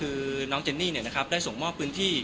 คือน้องเจนนี่ได้ส่งมอบพื้นที่